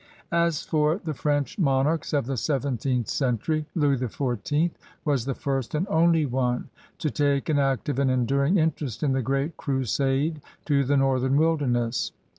As for the French monarchs of the seventeenth century, Louis XIV was the first and only one to take an active and enduring interest in the great crusade to the northern wilderness.